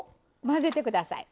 混ぜてください。